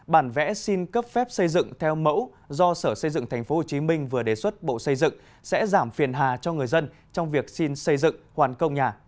bản vẽ xin cấp phép xây dựng theo mẫu do sở xây dựng tp hcm vừa đề xuất bộ xây dựng sẽ giảm phiền hà cho người dân trong việc xin xây dựng hoàn công nhà